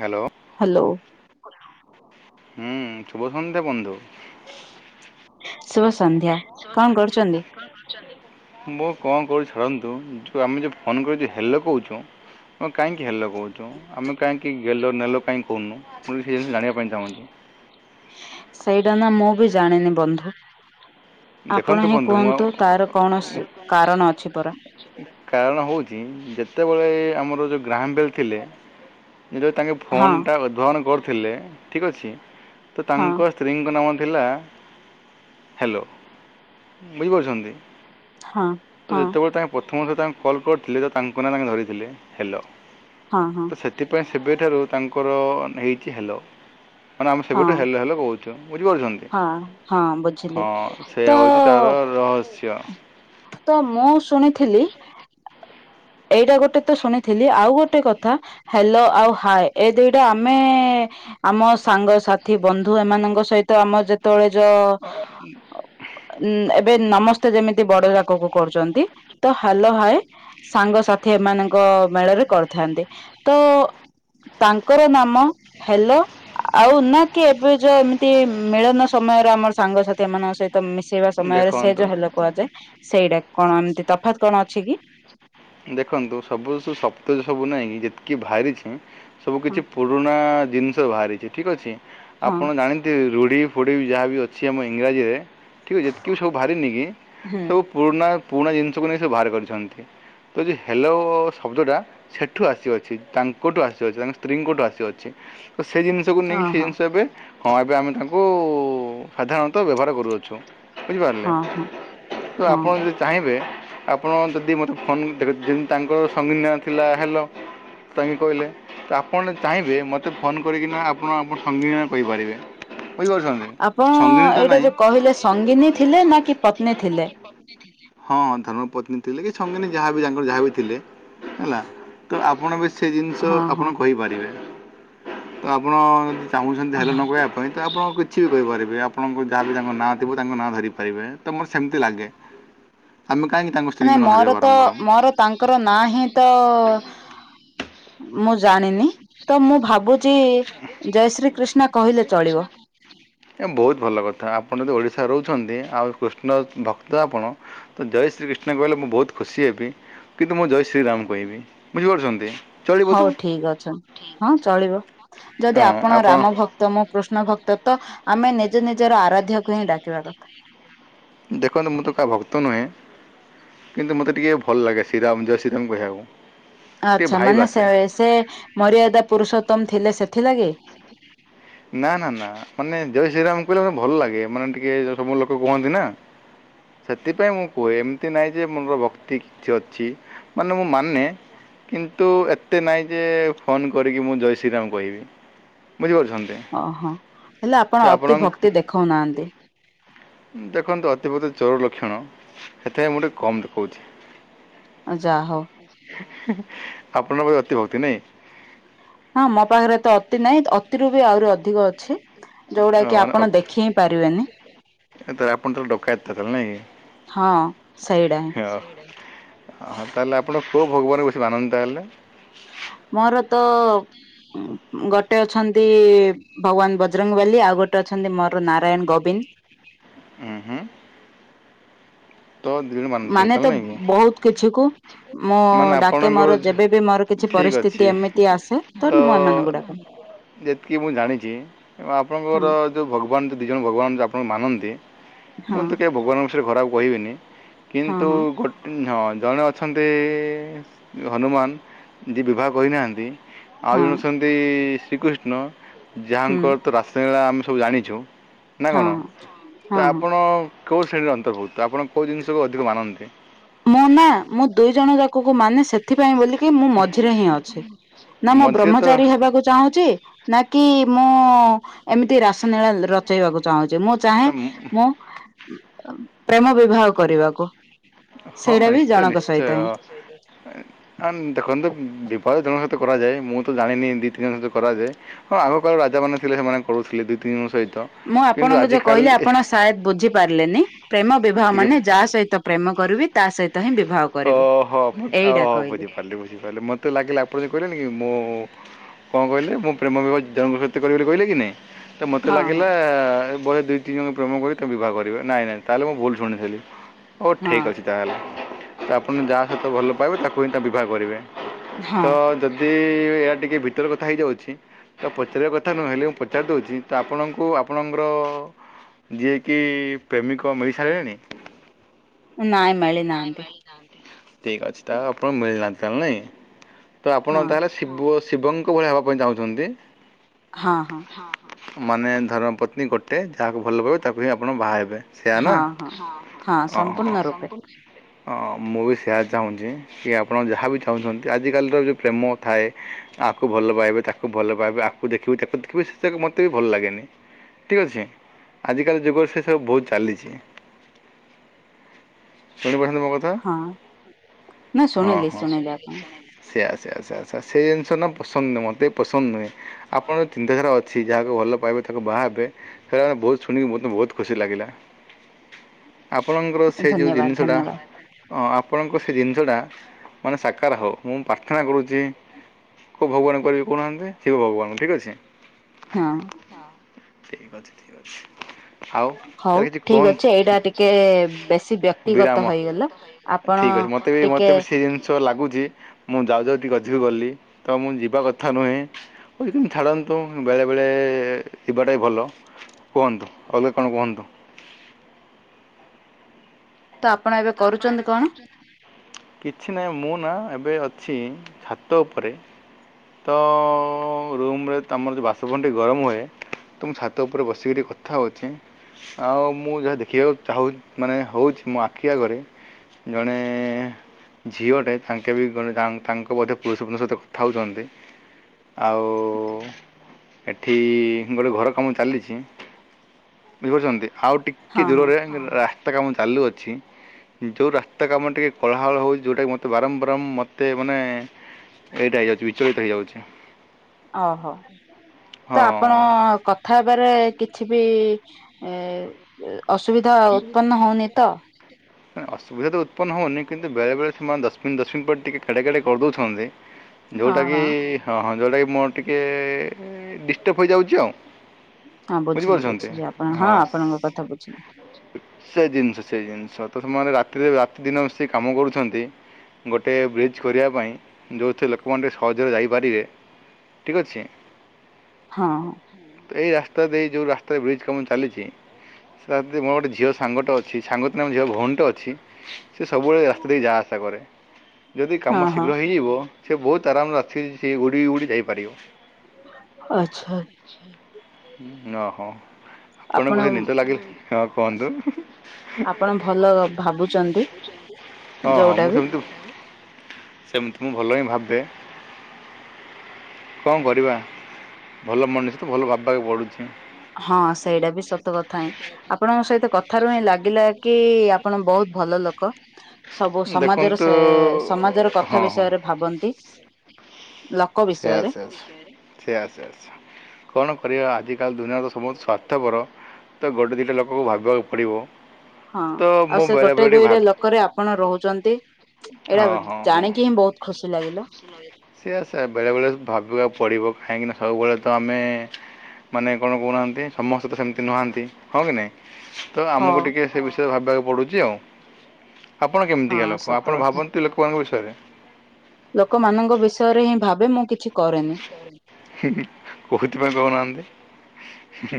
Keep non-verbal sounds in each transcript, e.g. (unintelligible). Hello. Hello. ହୁଁ ଶୁଭ ସନ୍ଦ୍ୟା ବନ୍ଦୁ। ଶୁଭ ସନ୍ଧ୍ୟା। କଣ କରୁଛନ୍ତି? ମୁଁ କଣ କରୁଚି ଛାଡନ୍ତୁ ଯଉ ଆମେ ଯୋଉ ଫୋନ କରୁଚେ ହାଲୋ କୋହୁଚୁ ଅଁ କାଇଁକି ହାଲୋ। କୋହୁଚୁ ଆମେ କାହିଁକି ଗେଲ ନେଲ କାହିଁ କୋଉନୁ ମୁଁ ସେ ଜିନିଷ ଜାଣିବା ପାଇଁ ଚାହୁଁଚି। ସେଇଟା ନା ମୁଁ ବି ଜାଣିନି ବନ୍ଧୁ। ଆପଣ ଦେଖନ୍ତୁ ହିଁ ବନ୍ଧୁ ମୁଁ କୁହନ୍ତୁ ତାର କଣ ସ୍ରି କାରଣ ଅଛି ପରା। କାରଣ ହଉଚି ସେତେବେଳେ ଆମର ଯୋଉ ଗ୍ରାହମ୍ବେଲ୍ ଥିଲେ ଏ ଯୋଉ ତାଙ୍କେ ହଁ ଫୋନ ଟା ଉଦ୍ଭାବନ କରୁଥିଲେ ଠିକ ଅଛି ତ ହଁ ତାଙ୍କ ସ୍ତ୍ରୀଙ୍କ ନାମ ଥିଲା ହାଲୋ। ବୁଝିପାରୁଚନ୍ତି। ହଁ। ତ ହଁ ଯେତେବେଳେ ତାଙ୍କେ ପ୍ରଥମଥ ତାଙ୍କୁ କଲ୍ କରିୁଥିଲେ ତ ତାଙ୍କୁ ନାଁ ତାଙ୍କେ ଧରିଥିଲେ ହ୍ୟାଲୋ। ହଁ ହଁ। ତ ସେଥିପାଇଁ ସେବେଠାରୁ ତାଙ୍କର ହେଇଚି ହ୍ୟାଲୋ ମାନେ ଆମେ ହଁ ସେବେଠୁ ହେଲୋ ହେଲୋ କୋହୁଚୁ। ବୁଝିପାରୁଚନ୍ତି। ହଁ ହଁ ବୁଝିଲି ତ ହେଉଛି ତା'ର ରହସ୍ୟ। ତ ମୁଁ ଶୁଣିଥିଲି ଏଇଟା ଗୋଟେ ତ ଶୁଣିଥିଲି। ଆଉ ଗୋଟେ କଥା ହେଲୋ ଆଉ ହାଏ ଏ ଦିଟା ଆମେ ଆମ ସାଙ୍ଗସାଥି ବନ୍ଧୁ ଏମାନଙ୍କ ସହିତ ଆମର ଯେତେବେଳେ ଯ ଉଁ ଏବେ ନମସ୍ତେ ଯେମିତି ବଡଯାକକୁ କରୁଚନ୍ତି ତ ହାଲୋ ହାଏ ସାଙ୍ଗସାଥି ଏମାନଙ୍କ ମେଳରେ କରିଥାନ୍ତି। ତ ତାଙ୍କର ନାମ ହେଲୋ ଆଉ ନା କି ଏବେ ଯୋଉ ଏମିତି ମିଳନ ସମୟରେ ଆମର ସାଙ୍ଗସାଥି ଏମାନଙ୍କ ସହିତ ମିଶ ଶିବା ସମୟରେ ସେ ଦେଖନ୍ତୁ ଯୋଉ ହାଲୋ କୁହାଯାଏ ସେଇଟା କଣ ଏମତି ତଫାତ୍ କଣ ଅଛି କି? ଦେଖନ୍ତୁ ସବୁୁ (unintelligible) ସବୁ ନାହିଁ କି ଯେତିକି ବାହାରିଛି ସବୁ ହଁ କିଛି ପୁରୁଣା ଜିନିଷ ବାହାରିଚି ଠିକ୍ ଅଛି। ହଁ ଆପଣ ଜାଣି ଏ ରୂଢ଼ି ଫୁଢ଼ି ଯାହା ବିି ଅଛି ଆମ ଇଂରାଜୀରେ ଠିକ୍ ଅଛି, ଯେତିକି ସବୁ ବାହାରିନି କି ସବୁ ପୁରୁଣା ପୁରୁଣା ଜିନିଷକୁ ନେଇ ସବୁ ବାହାର କରିଛନ୍ତି। ଯଦି ହାଲୋ ଶବ୍ଦଟା ସେଠୁ ଆସିଅଛି ତାଙ୍କଠୁ ଆସିଅଛି ତାଙ୍କ ସ୍ତ୍ରୀଙ୍କଠୁ ଆସିଅଛି ତ ସେ ଜିନି ଷ କୁ ନେଇକି ହଁ ସେ ଜିନିଷ ଏବେ ହଁ ଏବେ ଆମେ ତାଙ୍କୁ ସାଧାରଣତଃ ବ୍ୟବହାର କରୁଅଛୁ। ବୁଝିପାରିଲେ। ହଁ ହଁ ତ ହଁ ଆପଣ ଯଦି ଚାହିଁବେ ଆପଣ ଯଦି ମୋତେ ଫୋନ୍ ଯେମିତି ତାଙ୍କର ସଙ୍ଗୀନ ଥିଲା ହାଲୋ, ତାଙ୍କେ କହିଲେ ତ ଆପଣ ଯଦି ଚାହିଁବେ ମୋତେ ଫୋନ୍ କରିକିନା ଆପଣ ଆପଣ ଙ୍କ ସଙ୍ଗୀନୀ ନାଁ କହିପାରିବେ। ବୁଝିପାରୁଛନ୍ତି ଆପଣ ସଙ୍ଗିନୀ ତ ଏଇଟା ନାହିଁ ଯୋଉ କହିଲେ ସଙ୍ଗିନୀ ଥିଲେ ନା କି ପତ୍ନୀ ଥିଲେ? ପତ୍ନୀ ଥିଲେ। ହଁ ଧର୍ମ ପତ୍ନୀ ଥିଲେ କି ସଙ୍ଗୀନି ଯାହାବି ତାଙ୍କର ଯାହାବି ଥିଲେ। ହେଲା। ତ ଆପଣ ବି ସେ ଜିନିଷ ହଁ ଆପଣ ହଁ କହିପାରିବେ। ତ ଆପଣ ଯଦି ଚାହୁଁଛନ୍ତି ହେଲୋ ନ କହିବା ପାଇଁ ତ ଆପଣ କିଛି ବି କହିପାରିବେ। ଆପଣଙ୍କୁ ଯାହାବି ତାଙ୍କ ନାଁ ଥିବ ତାଙ୍କ ନାଁ ଧରିପାରିବେ। ତ ମୋତ ସେମିତି ଲାଗେ। ଆମେ କାହିଁକି ତାଙ୍କ ନା ସ୍ତ୍ରୀଙ୍କ ନାଁ ଧରିବା ମୋର ତ ବାରମ୍ବାର। ମୋର ତାଙ୍କର ନାଁ ହିଁ ତ ମୁଁ ଜାଣିନି। ତ ମୁଁ ଭାବୁ ଚି ଜୟ ଶ୍ରୀ କ୍ରିଷ୍ଣା କହିଲେ ଚଳିବ। ଏ ବହୁତ୍ ଭଲ କଥା। ଆପଣ ଯଦି ଓଡ଼ିଶାରେ ରହୁଚନ୍ତି, ଆଉ କୃଷ୍ଣ ଭକ୍ତ ଆପଣ ତ ଜୟ ଶ୍ରୀ କ୍ରିଷ୍ଣା କହିଲେ ମୁଁ ବହୁତ ଖୁସି ହେବି। କିନ୍ତୁ ମୁଁ ଜୟ ଶ୍ରୀରାମ କହିବି। ବୁଝିପାରୁଛନ୍ତି। ଚଳିବ ତ ହଉ ହଁ ଠିକ୍ ଅଛ। ହଁ ଚଳିବ। ଯଦି ଆପଣ ରାମ ଭ ତ ମୁଁ କୃଷ୍ଣ ଭକ୍ତ ତ ଆମେ ନିଜ ନିଜର ଆରାଧ୍ୟାକୁ ହିଁ ଡାକିବା କଥା। ଦେଖନ୍ତୁ ମୁଁ ତ କାହା ଭକ୍ତ ନୁହେଁ। କିନ୍ତୁ ମୋତେ ଟିକେ ଭଲ ଲାଗେ ଶ୍ରୀରାମ ଜୟ ଶ୍ରୀରାମ କହିବାକୁ। ଟିକେ ଆଚ୍ଛା ଭାଇବ୍ ମାନେ ଆସେ ସେ ସେ ମରିୟାଦା ପୁରୁଷୋତ୍ତମ ଥିଲେ ସେଥିଲାଗି? ନା ନା ନା। ମାନେ ଜୟ ଶ୍ରୀରାମ କହିଲେ ମତେ ଭଲ ଲାଗେ। ମାନେ ଟିକେ ସବୁବେଳେ ଲୋକ କୁହନ୍ତି ନା। ସେଥିପାଇଁ ମୁଁ କୁହେ। ଏମିତି ନାହିଁ ଯେ ମୋର ଭକ୍ତି କିଛି ଅଛି। ମାନେ ମୁଁ ମାନେ। କିନ୍ତୁ ଏତେ ନାହିଁ ଯେ ଫୋନ୍ କରିକି ମୁଁ ଜୟ ଶ୍ରୀରାମ କହିବି। ବୁଝିପାରୁଛନ୍ତି। ଓହ। ହେଲେ ଆପଣ ଅତି ଭକ୍ତି ଦେଖଉନାହାନ୍ତି। ହୁଁ ଦେଖନ୍ତୁ ଅତି ଭକ୍ତି ଚୋର ର ଲକ୍ଷଣ। ସେଥିପାଇଁ ମୁଁ ଟିକେ କମ୍ ବି କହୁଚି। ଆ ଯା ହଉ। ଆପଣଙ୍କ ର ଅତି ଭକ୍ତି ନାଇଁ? ହଁ ମୋ ପାଖରେ ତ ଅତି ନାହିଁ। ଅତିରୁ ବି ଆହୁରି ଅଧିକ ଅଛି। ଯୋଉଡା କି ଆପଣ ଦେଖି ହିଁ ପାରିବେନି। ତାହାଲେ ଆପଣ ତ ଡକାୟତ ତାହେଲେ ନାଇଁ କି? ହଁ ସେଇଟା ହିଁ ହଁ। ହଁ। ତାହେଲେ ଆପଣ କୋଉ ଭଗବାନଙ୍କୁ ବେଶୀ ମାନନ୍ତି ତାହେଲେ? ମୋର ତ ଗୋଟେ ଅଛନ୍ତି ଭଗବାନ ବଜରଙ୍ଗବାଲି। ଆଉ ଗୋଟେ ଅଛନ୍ତି ମୋର ନାରାୟଣ ଗୋବିନ୍ଦ୍। ଉଁ ହୁଁ। ତ ଧୀରେ ମାନେ (unintelligible) ତ ନାଇକି? ବହୁତ କିଛି କୁ ମୁଁ ମାନେ ଡାକେ ଆପଣଙ୍କର ମୋର ଯେବେ ବି ମୋର କିଛି ଠିକ୍‌ ପରିସ୍ଥିତି ଅଛି ଏମିତି ଆସେ ତ? ମୁଁ ଏମାନଙ୍କୁ ଡାକେ। ଯେତିକି ମୁଁ ଜାଣିଛି ହଁ ଆପଣଙ୍କର ଯେଉଁ ଭଗବାନ ଯେ ଦୁଇ ଜଣ ଭଗବାନ ଆପଣଙ୍କୁ ମାନନ୍ତି ହଁ ମୁଁ ତ କେହି ଭଗବାନଙ୍କ ବିଷୟରେ ଖରାକୁ କହିବିନି। ହଁ କିନ୍ତୁ ହଁ ଗୋଟେ ହଁ ଜଣେ ଅଛନ୍ତି ହନୁମାନ ଯିଏ ବିବାହ କହିନାହାନ୍ତି। ଆଉ ହଁ ଜଣେ ଅଛନ୍ତି ଶ୍ରୀକୃଷ୍ଣ ହୁଁ ଯାହାଙ୍କର ତ ରାସ ସେରା ଆମେ ସବୁ ଜାଣିଛୁ ନା ହଁ କଣ? ହଁ ତ ଆପଣ କୋଉ ଶ୍ରେଣୀର ଅନ୍ତର୍ଭୁକ୍ତ ଆପଣ କୋଉ ଜିନିଷକୁ ଅଧିକ ମାନନ୍ତି। ମୁଁ ନା ମୁଁ ଦୁଇ ଜଣ ଯାକକୁ ମାନେ ସେ ଏଥିପାଇଁ ବୋଲିକି ମୁଁ ମଝିରେ ହିଁ ଅଛି। ନା ମୁଁ ମଝିରେ ତ ବ୍ରହ୍ମଚାରୀ ହେବାକୁ ଚାହୁଁଛି ନା କିି ମୁଁ ଏମିତି ରାସନୀଳା ରଚେଇବାକୁ ଚାହୁଁଛି। ମୁଁ ଚାହେଁ ମୁଁ ପ୍ରେମ ବିବାହ କରିବାକୁ। ହଁ ସେଇଟା ବି ନିଶ୍ଚୟ ଜଣଙ୍କ ନିଶ୍ଚୟ। ସହିତ ହିଁ। ଦେଖନ୍ତୁ ବିବାହ ଜଣଙ୍କ ସହିତ କରାଯାଏ ମୁଁ ତ ଜାଣିନି ଦୁଇ ତିନି ଜଣଙ୍କ ସହିତ କରାଯାଏ। ହଁ ଆଗ କାଳ ରାଜା ମାନେ ଥିଲେ ସେମାନେ କରୁଥିଲେ ଦୁଇ ତିନି ହେଇ ମୁଁ ଆପଣଙ୍କୁ ଯୋଉ କହିଲି ଆପଣ ସାୟଦ ବୁଝି ପାରିଲେନି ପ୍ରେମ ବିବାହ ଟିକେ ମାନେ ଯାହା ସହିତ ପ୍ରେମ କରିବି। ତା ସହିତ ହିଁ ବିଭା ଓହୋ ଓହୋ ବୁଝିପାରିଲି ବୁଝିପାରିଲି ମତେ ଲାଗିଲା ଆପଣ ଯ କହିଲେନି କି ମୁଁ କଣ କହିଲେ ମୁଁ ପ୍ରେମ ବିିବାହ ଜଣଙ୍କ ସହିତ କରିବି ବୋଲି କହିଲେ କି ନାହିଁ। ତ ମୋତେ ହଁ ହଁ ଲାଗିଲା ବେ ଦୁଇ ଦୁଇ ଜଣଙ୍କ ପ୍ରେମ କରି ବିବାହ କରିବେ ନାଇଁ ନାଇଁ ତାହେଲେ ମୁଁ ଭୁଲ ଶୁଣିଥିଲି। ହୋଉ ହଁ ଠିକ୍ ଅଛି ତାହେଲେ। ଆପଣ ଯାହା ସହିତ ଭଲ ପାଇବେ ତାକୁ ହିଁ ତା ବିବାହ କରିବେ। ତ ହଁ ଯଦି କି ଇଆଡ଼େ ଟିକେ ଭିତର କଥା ହେଇଯାଉଛି। ତ ପଚାରିବା କଥା ନୁହେଁ ହେଲେ ମୁଁ ପଚାରି ଦେଉଛି ତ ଆପଣଙ୍କୁ ଆପଣଙ୍କର ଯିଏକି ପ୍ରେମିକ ମିଳିସାରିଲେଣି? ନାଇଁ ମଳିିନାହାନ୍ତି। ଠିକ୍ ଅଛି ତ ଆପଣ ମିଳିନାହାନ୍ତି ତାହେଲେ ନାଇଁ ତ ଆପଣ ହଁ ତାହଲେ ଶିବୁ ଶିବଙ୍କ ଭଳିଆ ହେବା ପାଇଁ ଚାହୁଁଛନ୍ତି? ହଁ ହଁ। ମାନେ ଧର୍ମ ପତ୍ନୀ ଗୋଟେ ଯାହାକୁ ଭଲ ପାଇବ ତାକୁ ହିଁ ଆପଣ ବାହା ହେବେ। ସେୟା ନା ହଁ ହଁ। ହଁ ସମ୍ପୂର୍ଣ୍ଣ ରୂପେ ହଁ ମୁଁ ବି ସେୟା ଚାହୁଁଛି। କି ଆପଣ ଯାହା ବିି ଚାହୁଁଛନ୍ତି ଆଜିକାଲିର ଯେଉଁ ପ୍ରେମ ଥାଏ। ଆକୁ ଭଲ ପାଇବେ ତାକୁ ଭଲ ପାଇବେ ଆକୁ ଦେଖିବେ ତାକୁ ଦେଖିବେ ସେଟ ମତେ ବି ଭଲ ଲାଗେନି। ଠିକ୍ ଅଛି ଆଜିକାଲି ଯୁଗର ସେ ସବୁ ବହୁତ ଚାଲିଛି। ଶୁଣିପାରୁଛନ୍ତି ମୋ କଥା? ହଁ ନା ହଁ ଶୁଣିଲି ହଁ। ଶୁଣିଲି ଆପଣ ସେଆ ସେୟା ସେୟା ସେୟା ଜିନିଷ ନା ପସନ୍ଦ ନୁହଁ ମୋତେ ପସନ୍ଦ ନୁହେଁ। ଆପଣଙ୍କ ଚିନ୍ତାଧାରା ଅଛି ଯାହାକୁ ଭଲ ପାଇବେ ତାକୁ ବାହା ହେବେ। ସେରା ନା ବହୁତ ଶୁଣିକି ମତେ ବହୁତ ଖୁସି ଲାଗିଲା। ହୁଁ। ଆପଣଙ୍କର ସେ ଯୋଉ ଜିନି ହଁ ଆପଣଙ୍କ ସେ ଜିନିଷଟା ମାନେ ସାକାର ହୋଉ ମୁଁ ପ୍ରାର୍ଥନା କରୁଛି। କୋଉ ଭଗବାନ କରିବି କହୁନାହାନ୍ତି ସେଇ ଭଗବାନ ଠିକ୍ ଅଛି। ହଁ। ହଁ ଠିକ୍ ଅଛି ଠିକ୍ ଅଛି। ଆଉ ତାର ହଉ କିଛି ଠିକ୍ କୁହନ୍ତୁ ଅଛି ଏଇଟା ଟିକେ ବେଶୀ ବ୍ୟ ବ୍ୟକ୍ତିଗତ ବିରାମ ହେଇଗଲା ଆପଣ ଟିକିଏ ସୋ ଲାଗୁଛି ମୁଁ ଯାଉ ଯାଉ ଟିକେ ଅଧିକ ଲାଗୁଚି ଗଲି ତ ମୁଁ ଯିବା କଥା ନୁହେଁ। ପୁଣି କେମିତି ଛାଡ଼ନ୍ତୁ ବେଳେବେଳେ ଯିବାଟାବି ଭଲ। କୁହନ୍ତୁ ଆଉ କଣ କୁହନ୍ତୁ। ତ ଆପଣ ଏବେ କରୁଚନ୍ତି କଣ? କିଛି ନାହିଁ ମୁଁ ନା ଏବେ ଅଛି ଛାତ ଉପରେ। ତ ରୁମ‌୍ ରେ ଆମର ଯୋଉ ବାସଭବନ ଟି ଗରମ ହୁଏ। ତ ମୁଁ ଛାତ ଉପରେ ବସିକି ଟିକେ କଥା ହଉଛି‌। ଆଉ ମୁଁ ଯାହା ଦେଖିବାକୁ ଚାହୁଁ ମାନେ ହଉଛି ମୋ ଆଖି ଆଗରେ ଜଣେ ଝିଅଟେ ତାଙ୍କେ ବି କଣ ତା-ତାଙ୍କ ବୋଧେ ପୁରୁଷ ବନ୍ଧୁ ସହିତ କଥା ହଉଚନ୍ତି। ଆଉ ଏଠି ଗୋଟେ ଘର କାମ ଚାଲିଛି। ବୁଝିପାରୁଚନ୍ତି ଆଉ ଟିକେ ହଁ ହଁ ଦୂରରେ ରାସ୍ତା କାମ ଚାଲୁ ଅଛି। ଯୋଉ ରାସ୍ତା କାମ ଟିକେ କୋଳାହଳ ହଉଚି ଯୋଉଟା କି ମତେ ବାରମ୍ୱାର ମ ଏତେ ମାନେ ଏଇଟା ହେଇଯାଉଛି ବିଚଳିତ ହେଇଯାଉଛି। ଅ ହଉ ହଁ ତ ଆପଣ କ ଥା ହେବାରେ କିଛି ବି ଏ ଅସୁବିଧା ଉତ୍ପନ୍ନ ହଉନି ତ? ଏଁ ଅସୁବିଧା ତ ଉତ୍ପନ୍ନ ହଉନି କିନ୍ତୁ ବେଳେବେଳେ ସେ ମାନେ ଦଶ ମିନଟ୍ ଦଶ ମିନଟ୍ ପ ଟିକେ କେଡେ କେଡେ କରିଦଉଛନ୍ତି ହଁ ଯୋଉଟା କି ହଁ ଏ ହଁ ହଁ ଯୋଉଟାକି ମୋର ଟିକିଏ ଡିଷ୍ଟର୍ବ ହେଇଯାଉଛି ଆଉ। ହଁ ବୁଝିଲି ବୁଝିପାରୁଛନ୍ତି ବୁଝିଲି ଆପଣ ହଁ ଆପଣଙ୍କ କଥା ବୁଝିଲି। ସେଇ ଜିନିଷ ସେଇ ଜିନିଷ ତ ସେମାନେ ରାତିରେ ରାତି ଦିନ ମିଶେଇ କାମ କରୁଛନ୍ତି। ଗୋଟେ ବ୍ରିଜ୍ କରିବା ପାଇଁ ଯୋଉଥିରେ ଲୋକମାନେ ଟିକେ ସହଜରେ ଯାଇପାରିବେ। ଠିକ୍ ଅଛି। ହଁ ହଁ। ଏଇ ରାସ୍ତା ଦେଇ ଯୋଉ ରାସ୍ତାରେ ବ୍ରିଜ୍ କାମ ଚାଲିଚି। ମୋର ଗୋଟେ ଝିଅ ସାଙ୍ଗଟେ ଅଛି ସାଙ୍ଗ ତ ନୁହେଁ ମୋ ଝିଅ ଭଉଣୀ ଟେ ଅଛି। ସେ ସବୁବେଳେ ଏ ରାସ୍ତା ଦେଇ ଯାଆ ଆସା କରେ ଯଦି ହଁ କାମ ହଁ ଶୀଘ୍ର ହେଇଯିବ ସେ ବହୁତ ଆରାମରେ ଅଛି ସେ ଉଡି ଉଡି ଯାଇପାରିବ। ଆଚ୍ଛା। ଉଁ ଓହୋ ଆପଣଙ୍କୁ ଆପଣ ବୋଧେ ନିଦ ଲାଗି ହଁ କୁହନ୍ତୁ। ହଁ ଆପଣ ଭଲ ଭାବୁଛନ୍ତି ହଁ ଯୋଉଟା ମୁଁ ବି ସେମତି ସେମିତି ମୁଁ ଭଲ ହିଁ ଭାବେ। କଣ କରିବା ଭଲ ମଣିଷ ତ ଭଲ ଭାବିବାକେ ପଡୁଛି। ହଁ ସେଇଟା ବି ସତ କଥା ହିଁ ଆପଣଙ୍କ ସହିତ କଥାରୁ ହିଁ ଲାଗିଲା କି କି ଆପଣ ବହୁତ ଭଲ ଲୋକ। ସବୁ ସମାଜର ଦେଖନ୍ତୁ ସେ ସମାଜର ହଁ କଥା ହଁ ବିଷୟରେ ଭାବନ୍ତି। ଲୋକ ବିଷୟରେ ୟେସ୍ ୟେସ୍ ସେଇଆ ୟେସ୍। କଣ କରିବା ଆଜି କାଲି ଦୁନିଆରେ ତ ସମତେ ସ୍ଵାର୍ଥପର। ତ ଗୋଟେ ଦିଟା ଲୋକକୁ ଭାବିବାକୁ ପଡିବ। ହଁ ଆଉ ସେ ଗୋଟେ ଦୁଇଟା ଲୋ କରେ ଆପଣ ରହୁଚନ୍ତି ଏଇଟା ଜାଣିକି ହିଁ ବହୁତ ଖୁସି ଲାଗିଲା। ଖୁସି ଲାଗିଲା। ସେଇଆ ସେୟା ବେଳେବେଳେ ଭାବିବା ପଡିବ କାହିଁକିନା ସବୁବେଳେ ତ ଆମେ ମାନେ କଣ କହୁନାହାଁନ୍ତି ସମସ୍ତେ ତ ସେମତି ନୁହାଁନ୍ତି ହଁ କି ନାଇଁ? ତ ହଁ ଆମୁକୁ ଟିକେ ସେ ବିଷୟରେ ଭାବିବାକୁ ପଡୁଚି ଆଉ ଆପଣ ହଁ କେମିତିକା ଲୋକ ଆ ସତ ଆପଣ କଥା। ଭାବନ୍ତି ଲୋକମାନଙ୍କ ବିଷୟରେ? ଲୋକମାନଙ୍କ ବିଷୟରେ ହିଁ ଭାବେ ମୁଁ କିଛି କରେନି। ହୁଁ ହୁଁ କୋହୁଥି ପାଇ କହୁନାହାଁନ୍ତି।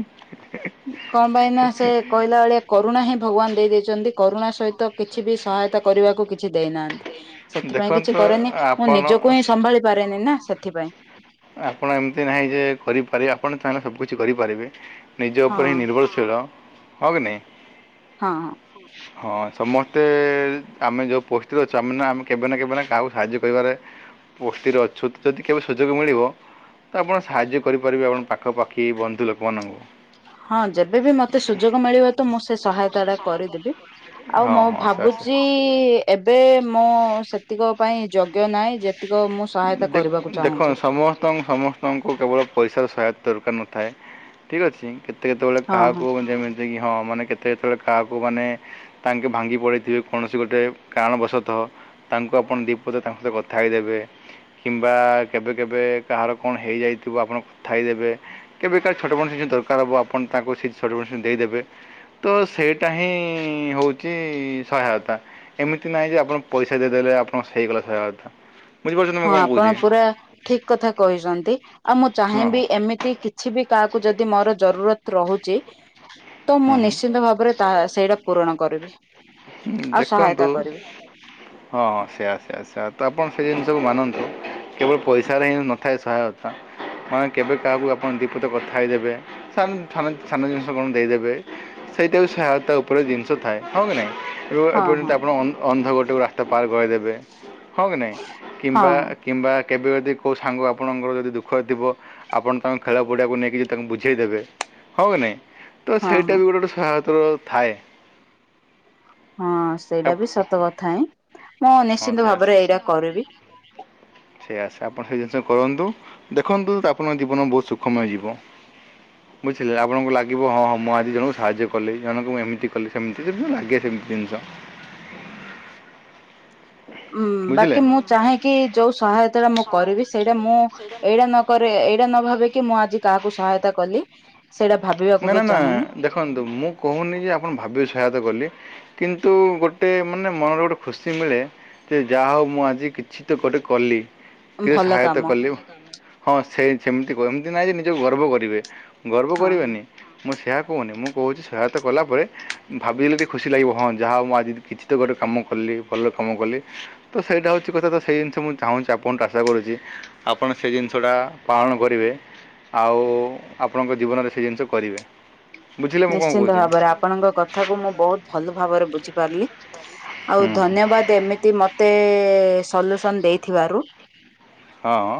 କଣ ପାଇଁ ନା ସେ (inaudible) କହିଲା ଭଳିଆ କରୁଣା ହିଁ ଭଗବାନ ଦେଇ ଦେଇଚନ୍ତି କରୁଣା ସହିତ କିଛି ବି ସହାୟତା କରିବାକୁ କିଛି ଦେଇନାହାନ୍ତି। ସେଥିପାଇଁ କିଛି ଦେଖନ୍ତୁ କରେନି ମୁଁ ଆପଣ ନିଜକୁ ହିଁ ସମ୍ଭାଳି ପାରେନି ନା ସେଥିପାଇଁ। ଆପଣ ଏମତି ନାହିଁ ଯେ କରିପାରିବେ ଆପଣ ଚାହିଁଲେ ସବୁ କିିଛି କରିପାରିବେ ନିଜ ହଁ ଉପରେ ହିଁ ନିର୍ଭର ଶୀଳ ହଁ କି ନାଇଁ? ହଁ ହଁ। ହୁ। ହଁ ସମସ୍ତେ ଆମେ ଯୋଉ ପୋଷ୍ଟଟିରେ ଅଛୁ ଆମେନା ଆମେ କେବେ ନା କେବେ ନା କାହାକୁ ସାହାଯ୍ୟ କରିବାରେ ପୋଷ୍ଟଟିରେ ଅଛୁ ତ ଯଦି କେବେ ସୁଯୋଗ ମିଳିବ ତ ଆପଣ ସାହାଯ୍ୟ କରିପାରିବେ ଆପଣ ପାଖପାଖି ବନ୍ଧୁ ଲୋକମାନଙ୍କୁ। ହଁ ଯେବେବି ମତେ ସୁଯୋଗ ମିଳିବ ତ ମୁଁ ସେ ସହାୟତାଟା କରିଦେବି। ଆଉ ହଁ ମୁଁ ହଁ ସେ ଭାବୁଚି ଆସେ ଏବେ ମୋ ସେତିକ ପାଇଁ ଯୋଗ୍ୟ ନାଇଁ ଯେ ତିକ ମୁଁ ସହାୟତା କରିବାକୁ ଚାହୁଁଚି। ତ ଆଶ ସମସ୍ତଙ୍କୁ କେବଳ ପଇସାର ସହାୟତା ଦରକାର ନଥାଏ ଠିକ୍ ଅଛି କେ କେତେ କେତବେଳେ ହଁ ହଁ କାହାକୁ ଯେମିତିକି ହଁ ମାନେ କେତେ କେତବେଳେ କାହାକୁ ମାନେ ତାଙ୍କେ ଭାଙ୍ଗି ପଡିଥିବେ କୌଣସି ଗୋଟେ କାରଣବଶତଃ। ତାଙ୍କୁ ଆପଣ ଦିପଦ ତାଙ୍କ ସହ କଥା ହେଇଦେବେ କିମ୍ବା କେବେ କେବେ କାହାର କଣ ହେଇଯାଇଥିବ ଆପଣ କଥା ହେଇଦେବେ। କେବେକାର ଛୋଟ (unintelligible) ଦରକାର ହବ ଆପଣ ତାଙ୍କୁ ସେ ଛୋଟ (unintelligible) ଦେଇଦେବେ। ତ ସେଇଟା ହିଁ ହୋଉଚି ସହାୟତା। ଏମିତି ନାଇଁ ଯେ ଆପଣ ପଇସା ଦେଇଦେଲେ ଆପଣଙ୍କ ହେଇଗଲା ସହାୟତା। ବୁଝିପାରୁଛନ୍ତି ମୁଁ ହଁ କଣ ଆପଣ କହୁଛି? ପୁରା ଠିକ କଥା କହିଚନ୍ତ୍। ନ୍ତି ଆଉ ମୁଁ ହଁ ଚାହିଁବି ଏମିତି କିଛି ବି କାହାକୁ ଯଦି ମୋର ଜରୁରତ ରହୁଚି ସେଇଟା ପୂରଣ କରିବି ହୁଁ ଆଉ ଦେଖନ୍ତୁ ସହାୟତା କରିବି ହଁ ସେୟା ସେୟା ସେୟା ତ ଆପଣ ସେ ଜିନିଷକୁ ମାନନ୍ତୁ କେବଳ ପଇସାରେ ହିଁ ନ ଥାଏ ସହାୟତା ମାନେ କେବେ କାହାକୁ ଆପଣ ଦିପଦ କଥା ହେଇଦେବେ ସାନ୍ ସାନ ସାନ ଜିନିଷ କଣ ଦେଇଦେବେ। ସେଇଟାକୁ ଆଉ ସହାୟତା ଉପରେ ଜିନଷ ଥାଏ ହଁ କି ନାଇଁ। କିବା ହଁ ହଁ ଏପର୍ଯ୍ୟନ୍ତ ଆପଣ ଅନ୍ ଅନ୍ଧ ଗୋଟେ ରାସ୍ତା ପାର୍ କରେଇଦେବେ ହଁ କି ନାହିଁ ହଁ କିମ୍ବା ହଁ କିମ୍ବା କେବେ ଯଦି କଉଁ ସାଙ୍ଗ ଆ ଆପଣଙ୍କର ଯଦି ଦୁଃଖ ଥିବ ଆପଣ ତାଙ୍କୁ ଖେଳ ପଡ଼ିଆକୁ ନେଇକି ଯଦି ତାଙ୍କୁ ବୁଝେଇଦେବେ ହଁ କି ନାଇଁ ତ ହଁ ସେଇଟା ହଁ ବି ଗୋଟେ ଗୋଟେ ସହାୟତାର ଥାଏ। ହଁ ସେଇଟା ବି ସତ କଥା ହିଁ ମୁଁ ନିଶ୍ଚିନ୍ତ ଭାବରେ ଏଇଟା କରିବି। ସେଇ ଆସ ଆପଣ ସେ ଜିନିଷ କରନ୍ତୁ ଦେଖନ୍ତୁ ଆପଣଙ୍କ ଜୀବନ ବୋହୁତ ସୁଖମୟ ଯିବ। (inaudible) ବୁଝିଲେ ଆପଣଙ୍କୁ ଲାଗିବ ହଁ ହଁ ମୁଁ ଆଜି ଜଣଙ୍କୁ ସାହାଯ୍ୟ କଲି ଜଣଙ୍କୁ ମୁଁ ଏମିତି କଲି ସେମିତି ଯଦି ଓ ଲାଗେ ସେମିତି ଜିନିଷ। ଉଁ ବୁଝିଲେ ବାକି ମୁଁ ଚାହେଁ କି ଯୋଉ ସହାୟତାଟା ମୁଁ କରିବି ସେଇଟା ମୁଁ ଏଇଟା ନକରେ ଏଇଟା ନ ଭାବେ କି ମୁଁ ଆଜି କାହାକୁ ସହାୟତା କଲି। ସେଇଟା ଭାବିବା ନା ନା ନା ଦେଖନ୍ତୁ ମୁଁ କୋହୁନି ଯେ ଆପଣ ଭାବିବେ ସହାୟତା କଲି କିନ୍ତୁ ଗୋଟେ ମାନେ ମନରେ ଗୋଟେ ଖୁସି ମିଳେ। ସିଏ ଯାହୋଉ ମୁଁ ଆଜି କିଛି ତ ଗୋଟେ କଲି। କେତେ ଭଲ କାମ ସହାୟତା କଲେ ଓ ହଁ ସେଇ ସେମତି କ ଏମତି ନାଇଁ ଯେ ନିଜକୁ ଗର୍ବ କରିବେ। ଗର୍ବ ହଁ ହଁ କରିବେନି ମୁଁ ସେୟା କୋହୁନି ମୁଁ କୋହୁଚି ସହାୟତା କଲାପରେ ଉଁ ଭାବିଲେ ଟିକେ ଖୁସି ଲାଗିବ ହଁ ଯାହା ହୋଉ ମୁଁ ଆଜି କିଛି ତ ଗୋଟେ କାମ କଲି ଭଲ କାମ କଲି। ତ ସେଇଟା ହୋଉଚି କଥା ତ ସେଇ ଜିନିଷ ମୁଁ ଚାହୁଁଚି ଆପଣ ରାଶା କରୁଚି। ଆପଣ ସେଇ ଜିନିଷଟା ପାଳନ କରିବେ ଆଉ ଆପଣଙ୍କ ଜୀବନରେ ସେ ଜିନିଷକୁ କରିବେ। ବୁଝିଲେ ମୁଁ କ'ଣ ନିଶ୍ଚିନ୍ତ କହୁଛି ଭାବରେ ଆପଣଙ୍କ କଥାକୁ ମୁଁ ବୋହୁତ ଭଲ ଭାବରେ ବୁଝିପାରିଲି। ଆଉ ହୁଁ ଧନ୍ୟବାଦ ଏମିତି ମତେ ଏ ସଲ୍ୟୁସନ ଦେଇଥିବାରୁ। ହଁ।